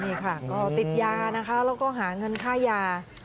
นี่ค่ะก็ติดยานะคะแล้วก็หาเงินค่ายา